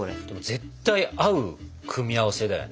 絶対合う組み合わせだよね。